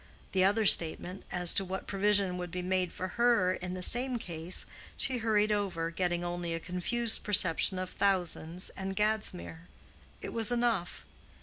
The other statement as to what provision would be made for her in the same case, she hurried over, getting only a confused perception of thousands and Gadsmere. It was enough.